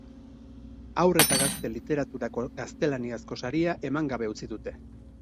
Haur eta gazte literaturako gaztelaniazko saria eman gabe utzi dute.